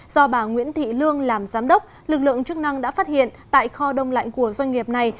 do bà nguyễn thị lương làm giám đốc lực lượng chức năng đã phát hiện tại kho đông lạnh của doanh nghiệp này